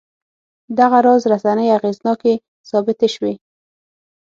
دغه راز رسنۍ اغېزناکې ثابتې شوې.